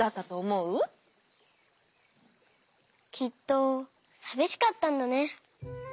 きっとさびしかったんだね。